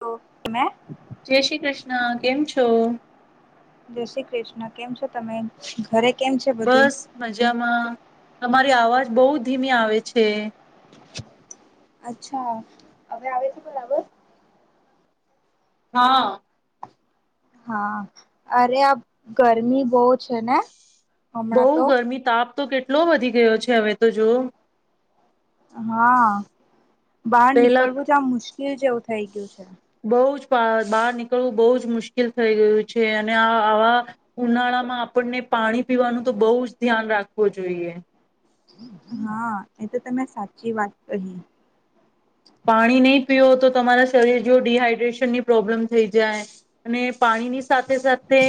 તો [unintelligible] જય શ્રી ક્રિષ્ણ કેમ છો જય શ્રી ક્રિષ્ણા કેમ છો તમે ઘરે કેમ છે બધું બસ મજામાં. તમારી અવાજ બો ધીમી આવે છે. અચ્છા અવે આવે છે બરાબર. હા. હા અરે આ ગરમી બો છે ને બહુ હમણાં તો ગરમી તાપ તો કેટલો વધી ગયો છે હવે તો જો હા બહાર નીકળવું જ આમ મુશ્ક કેલ જેવું થઈ ગ્યું છ બઉ જ [unintelligible] બહાર નીકળવું બઉ જ મુશ્કેલ થઈ ગયું છે અને આવા ઉનાળામાં આપણને પાણી પીવાનું તો બહુ જ ધ્યાન રાખવું જોઈએ. હા એ તો તમે સાચી વાત કહી. પાણી નહીં પીઓ તો તમારા શરીર જો ડીહાઈડ્રેશનની પ્રોબ્લેમ થઈ જાય અને પાણીની સાથે સાથે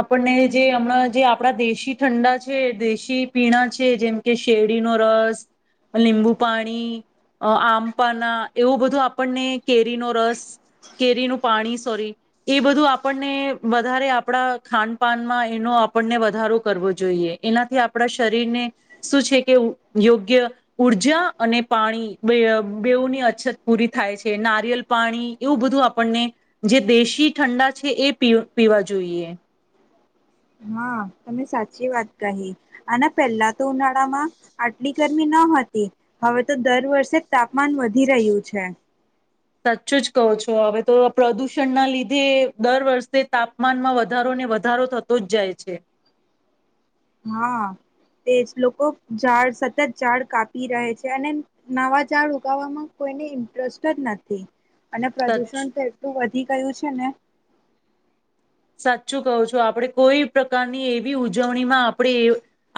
આપણને જે હમણાં જે આપડા દેશી ઠંડા છે દેશી પીણા છે જેમ કે શેરડીનો રસ લીંબુ પાણી અ આમ પન એવો બધું આપણને કેરીનો રસ કેરીનું પાણી સોરી એ બધું આપણને વધારે આપણા ખાનપાનમાં એનો આપણને વધારો કરવો જોઈએ એનાથી આપણા શરીરને શું છે કે યોગ્ય ઊર્જા અને પાણી બેઅ બેઉ ની અછત પૂરી થાય છે નારિયલ પાણી એવું બધું આપણને જે દેશી ઠંડા છે એ પી પીવા જોઈએ. હા તમે સાચી વાત કહી આના પહેલા તો ઉનાળામાં આટલી ગરમી ન હતી હવે તો દર વર્ષે તાપમાન વધી રહ્યું છે. સાચચું જ કહો છો હવે તો પ્રદૂષણના લીધે દર વર્ષે તાપમાનમાં વધારો ને વધારો થતો જ જાય છે. હા તેજ લોકો ઝાડ સતત ઝાડ કાપી રહે છે અને નવા ઝાડ ઉગાવામાં કોઈને ઇન્ટરેસ્ટ જ નથી. અને સચ પ્રદુષણ તો એટલું વધ ઈ કયું છે ને. સાચું કહો છો આપડણે કોઈ પ્રકારની એવી ઉજવણીમાં આપણે એ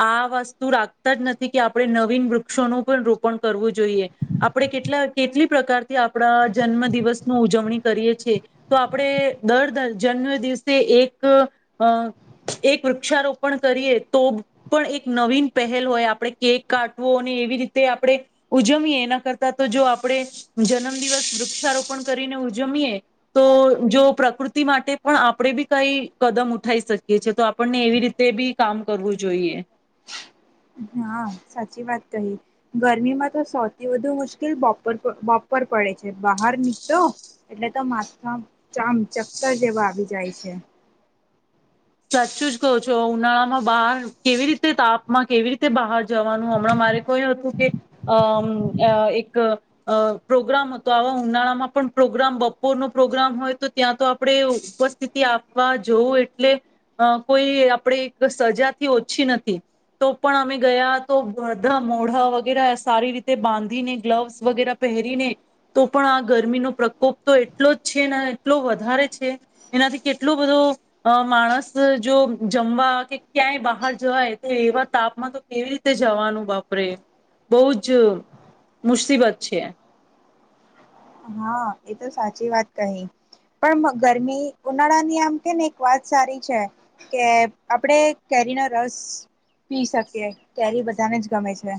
આ વસ્તુ રાખતા જ નથી કે આપણે નવીન વૃક્ષોનું પણ રોપણ કરવું જોઈએ આપણે કેટલા કેટલી પ્રકારથી આપણા જન્મ દિવસ ન ઉજવણી કરીએ છીએ તો આપણે દર જન્મ દિવસ એક અ એક વૃક્ષારોપણ કરીએ તો પણ એક નવીન પહેલ હોય આપણે કેક કાટવો અને એવી રીતે આપણે ઉજવીએ એના કરતા તો જો આપણે જન્મદિવસ વૃક્ષારોપણ કરીને ઉજમીએ તો જો પ્રકૃતિ માટે પણ આપણે બી કઈ કદમ ઉઠા ઈ શકીએ છીએ તો આપણને એવી રીતે બી કામ કરવું જોઈએ. હા સાચી વાત કહી ગરમીમાં તો સૌથી વધુ મુશ્કેલ બપોર બપોર પડે છે બહાર નીકળો એટલે તો માથા ચામ ચક્કર જેવા આવી જાય છે. સાચું જ કહો છો ઉનાળામાં બહાર કેવી રીતે તાપમાં કેવી રીતે બહાર જવાનું હમણાં મારે ક એ હતું કે અ એક પ્રોગ્રામ હતો આવા ઉનાળામાં પણ પ્રોગ્રામ બપોરનો પ્રોગ્રામ હોય તો ત્યાં તો આપડે ઉપસ્થિતિ આપવા જવું એટલે અ કોઈ આપણે એક સજાથી ઓછી નથી તો પણ અમે ગયા તો બધા મોઢા વગેરે સારી રીતે બાંધીને ગ્લવ્સ વગેરે પહેરીને તો પણ આ ગરમીનો પ્રકોપ તો એટલો જ છે ને એટલો વધારે છે એનાથી કેટલો બધો માણસ જો જમવા કે ક્યાંય બહાર જવાય તો એવા તાપમાં તો કેવી રીતે જવાનું બાપરે બઉ જ મુસીબત છે. હા એ તો સાચી વાત કહી પણ ગરમી ઉનાળા ની આમ કેને એક વાત સારી છે કે આપણેે કેરીનો રસ પી શકીએ કેરી બધાને જ ગમે છે.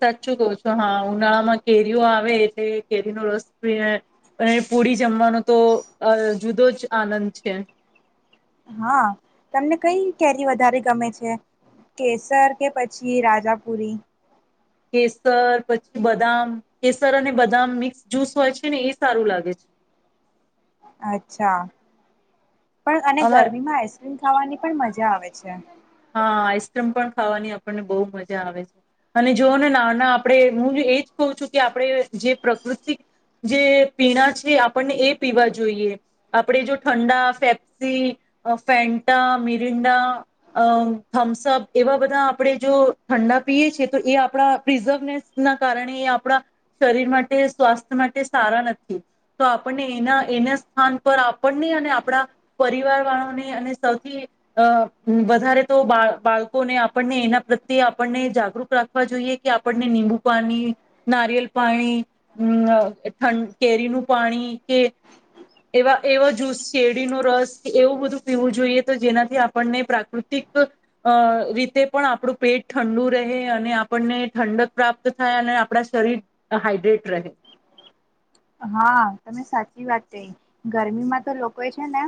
સાચું કહ છો હા ઉનાળામાં કેરીઓ આવે એટલે કેરીનો રસ પ અને પુડી જમવાનો તો જુદો જ આનંદ છે. હા તમને કઈ કેરી વધારે ગમે છે કેસર કે પછી રાજાપુરી. કેસર પછી બદામ કેસર અને બદામ મિક્સ જ્યુસ હોય છે ને એ સારું લાગે છે. અચ્છા. પણ અને અમા ગરમી માં આઈસક્રીમ ખાવાની પણ મજ જા આવે છે. હા આઈસ્ક્રીમ પણ ખાવાની આપણને બહુ મજા આવે છે અને જોઓ ને નાના આપણે હું એજ કહઉ છું કે આપણે જે પ્રકૃતિક જે પીણા છે આપણને એ પીવા જોઈએ આપણે જો ઠંડા પેપ્સી ફેન્ટા મિરિંડા અ થમ્સઅપ એવા બધા આપણે જો ઠંડા પીએ છીએ તો એ આપણા પ્રિઝર્વનેસ ના કારણે એ આપણા શરીર માટે સ્વાસ્થ્ય માટે સારા નથી તો આપણને એના એના સ્થાન પર આપણને અને આપણા પરિવાર વાળોને અને સૌથી અ વધારે તો બા બાળકોને આપણને એના પ્રત્યે આપણને જાગૃત રાખવા જોઈએ કે આપણને નીબુ પાણી નારિયેલ પાણી અ ઠં કેરીનું પાણી કે એવા એવા જ્યૂસ શેરડીનો રસ એવું બધું પીવું જોઈએ તો જેનાથી આપણને પ્રાકૃતિક અ રીતે પણ આપણું પેટ ઠંડુ રહે અને આપણને ઠંડક પ્રાપ્ત થાય અને આપણા શરીર હાઈડ્રેટ રહે. હા તમે સાચી વાત કહી ગરમીમાં તો લોકોએ છે ને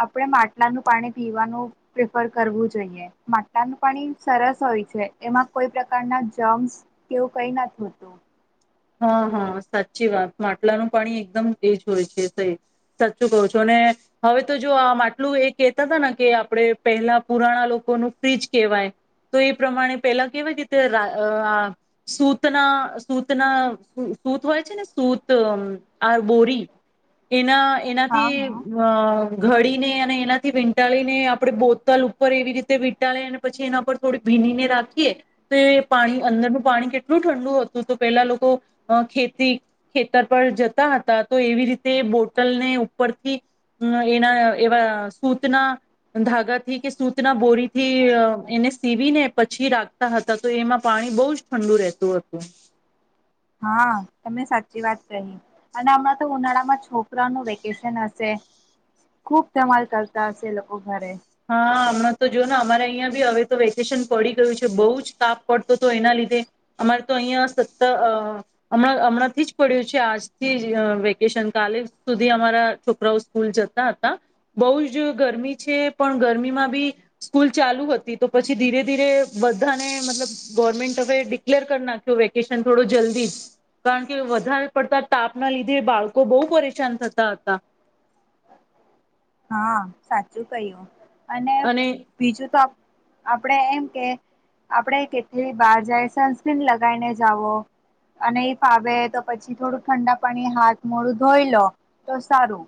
આપણે માટલાનું પાણી પીવાનું પ્રિફર કરવું જોઈએ માટલાનું પાણી સરસ હોય છે એમાં કોઈ પ્રકારના જમ્સ કેવું કઈ નથી હોતું. હા હા સાચી વાત માટલાનું પાણી એકદમ એ જ હોય છે સાચું કહું છું અને હવે તો જો આ માટલું એ કેહેતા હતા ને કે આપણે પહેલા પુરાણા લોકોનું ફ્રીજ કેહેવાય તો એ પ્રમાણે પેલા કેહેવાય કે અ રા સૂતના સત- ત ના સુત હોય છે ને સુત આર બોરી એના હા એનાથી હા અ ઘડીને અને એનાથી વીંટાળીને આપડે બોતલ ઉપર એવી રીતે વીંટાળે અને પછી એના પર થોડી ભીનીને રાખીએ તો એ પાણી અંદરનું પાણી કેટલું ઠંડુ હતું. તો પેલા લોકો ખેતી ખેતર પર જતા હતા તો એવી રીતે બોટલને ઉપરથી એના એવા સૂતના ધાગાથી કે સૂતના બોરીથી એને સીવીને પછી રાખતા હતા તો એમાં પાણી બહુ જ ઠંડુ રહેતું હતું. હા તમે સાચી વાત કહી અને હમણાં તો ઉનાળામાં છોકરાનું વેકેશન હશે ખુબ ધમાલ કરતા હશે લોકો ઘરે. હા હમણાં તો જો ને અમારે અહિયાં બી હવે તો વેકેશન પડી ગયું છે બહુ જ તાપ પડતો હતો એના લીધે અમારે તો અહિયાં સતણાં હમણાં થી જ પડ્યું છે આજથી જ વેકેશન કાલે સુધી અમારા છોકરાઓ સ્કૂલ જતા હતા બહુ જ ગરમી છે. પણ ગરમીમાં બી સ્કૂલ ચાલુ હતી તો પછી ધીરે ધીરે બધાને મતલબ ગવર્મેન્ટ હ ડિક્લેર કરી નાખ્યો વેકેશન થોડો જલ્દી કારણ કે વધારે પડતા તાપના લીધે બાળકો બહુ પરેશાન થતા હતા. હા સાચું કું અને બીજું તો આપડે એમ કે આપડે કેટલી બહાર જાય સનસ્ક્રીન લગાવીને જાવો અને એ ફાવે તો પછી થોડું ઠંડા પાણી હાથ મોડું ધોઈ લો તો સારું.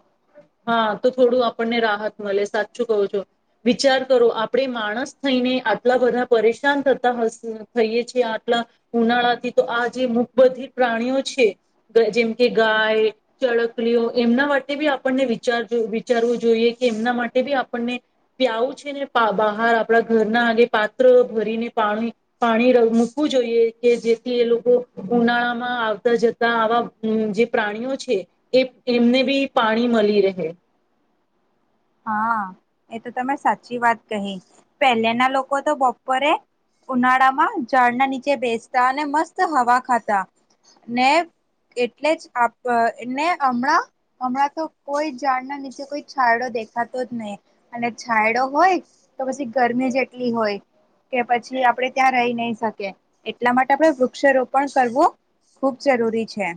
હા તો થોડું આપણને રાહત મળે સાચું કહો છો વિચાર કરો આપણે માણસ થઈને આટલા બધા પરેશાન થતા થઈએ છેીએ આટલા ઉનાળાથી તો આ જે મુખ બધી પ્રાણીઓ છે જેમકે ગાય ચળકલીઓ એમના માટે બી આપ વિચારવું જોઈએ કે એમના માટે બી આપણને પ્યાવું છે ને બહાર આપણા ઘરના આગે પાત્ર ભરીને પાણી પાણી મૂકવું જોઈએ કે જેથી એ લોકો ઉનાળામાં આવતા જતા આવા જે પ્રાણીઓ છે એ એમને બી પાણી મળી રહે. હા એ તો તમે સાચી વાત કહી પહેલાના લોકો તો બપોરે ઉનાળામાં ઝાડના નીચે બેસતા અને મસ્ત હવા ખાતા ને એટલે જને હમણાં હમણાં તો કોઈ ઝાડના નીચે કોઈ છડો દેખ ખાતો જ નહી અને છાયડો હોય તો પછી ગરમી જેટલી હોય કે પછી આપણે ત્યાં રહી નહી શકીએ એટલા માટે આપણે વૃક્ષ રોપણ કરવું ખૂબ જરૂરી છે.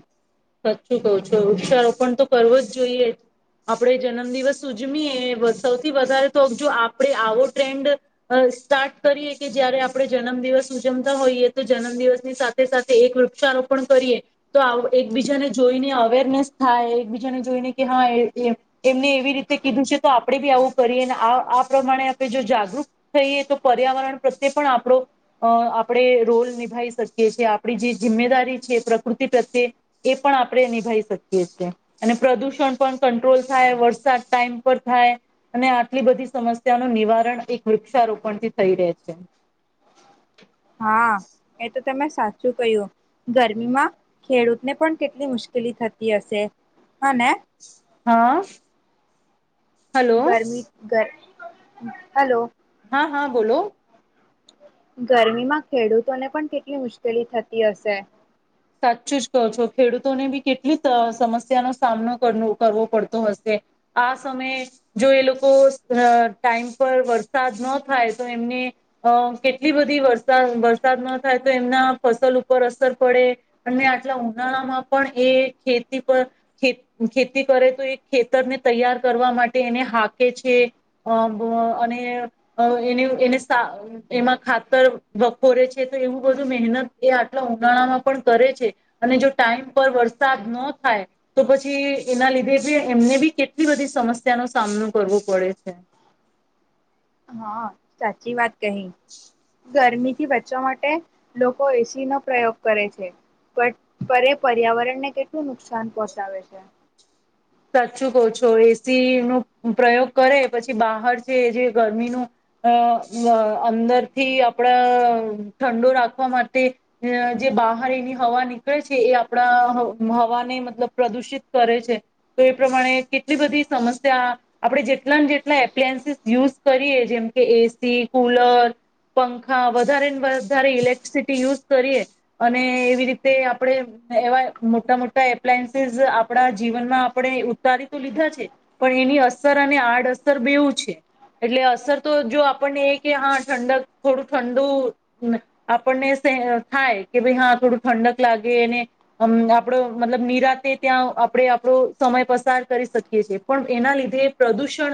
સાચું કવ છો વૃક્ષારોપણ તો કરવો જ જોઈએ આપણે જન્મદિવસ ઉજવીીએ સૌથી વધારે તો જો આપડણે આવો ટ્રેન્ડ સ્ટાર્ટ કરીએ કે જયારે આપણે જન્મદિવસ ઉજવતા હોઈએ તો જન્મદિવસની સાથે સાથે એક વૃક્ષારોપણ કરીએ તો એકબીજાને જોઈને આવે. ને થાય એકબીજાને જોઈને કે હા એમને એવી રીતે કીધું છે તો આપણે બી આવું કરીએ આ પ્રમાણે આપણે જો જાગૃત થઈએ તો પર્યાવરણ પ્રત્યે પણ આપડો આપણે રોલ નિભાવી શકીએ છીએ આપણી જે જિમ્મેદારી છે પ્રકૃતિ પ્રત્યે એ પણ આપણે નિભાવી શકીએ છીએ અને પ્રદૂષણ પણ કંટ્રોલ થાય વરસાદ ટાઈમ પર થાય અને આટલી બધી સમસ્યાનું નિવારણ એક વૃક્ષારોપણથી થઈ રહે છે. હા એ તો તમે સાચું કહ્યું ગરમીમાં ખેડૂતને પણ કેટલી મુશ્કેલી થતી હશે અનેને હા. હલો ગરમી ગર હલો. હા હા બોલો. ગરમીમાં ખેડૂતોને પણ કેટલી મુશ્કેલી થતી હશે. સાચું જ કહો છો ખેડૂતોને બી કેટલી સમસ્યાનો સામનો કર કરવો પડતો હશે આ સમયે જો એ લોકો ટાઈમ પર વરસાદ ન થાય તો એમને અ કેટલી બધી વરસા વરસાદ ન થાય તો એમના ફસલ ઉપર અસર પડે. અને આટલા ઉનાળામાં પણ એ ખેતી પરે ખેતી કરે તો એ ખેતરને તૈયાર કરવા માટે એને હાકે છે અને એ એને એમાં ખાતર વખોરે છે તો એવું બધું મહેનત એ આટલા ઉનાળામાં પણ કરે છે અને જો ટાઈમ પર વરસાદ ન થાય તો પછી એના લીધે એમને બી કેટલી બધી સમસ્યાનો સામનો કરવો પડે છે. હા સાચી વાત કહી. ગરમીથી બચવા માટે લોકો એસી નો પ્રયોગ કરે છે પરે પર્યાવરણને કેટલું નુકસાન પહોંચડે છે. સાચું કહો છો એસી નો પ્રયોગ કરે પછી બહાર છે જે ગરમીનું અ અંદરથી આપણા ઠંડો રાખવા માટે જે બહાર એની હવા નીકળે છે એ આપણા હવાને મતલબ પ્રદુષિત કરે છે. તો એ પ્રમાણે કેટલી બધી સમસ્યા આપણે જેટલા ને જેટલા એપ્લાયન્સીસ યુઝ કરીએ જેમ કે એસી કુલર પંખા વધારે ને વધારે ઇલેક્ટ્રિસિટી યુઝ કરીએ અને એવી રીતે આપણે એવા મોટા મોટા એપ્લાયન્સીસ આપણા જીવનમાં આપણે ઉતારી તો લીધા છે પણ એની અસર અને આડઅસર બેવું છે એટલે અસર તો જો આપણને એ કે હા ઠંડક થોડું ઠંડુ આપણને થાય કે ભાઈ હા થોડું ઠંડક લાગે એને આપડો મતલબ નિરાતે ત્યાં આપણે આપણો સમય પસાર કરી શકીએ છે પણ એના લીધે પ્રદૂષણ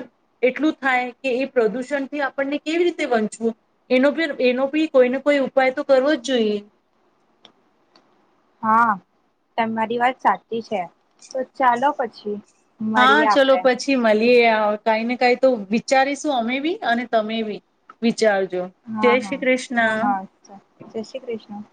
એટલું થાય કે એ પ્રદૂષણથી આપણને કેવી રીતે વંચવું એનો એનો ભી કોઈને કોઈ ઉપાય તો કરવો જ જોઈએ. હા તમારી વાત સાચી છે તો ચાલો પછી હા મળીએ ચલો આપડે પછી મળ એ કઈ ને કઈ તો વિચારીશું અમે બી અને તમે બી વિચાર હા હા હા હા શ શ્રી કૃષ્ણ.